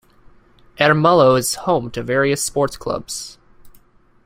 Ermelo is home to various sports clubs.